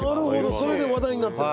それで話題になってると」